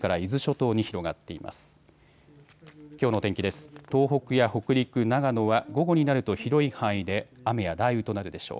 東北や北陸、長野は午後になると広い範囲で雨や雷雨となるでしょう。